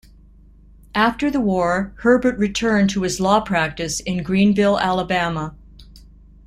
After the war, Herbert returned to his law practice in Greenville, Alabama.